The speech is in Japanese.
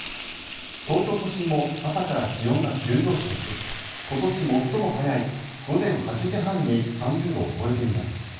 東京都心も朝から気温が急上昇し今年最も早い午前８時半に３０度を超えています。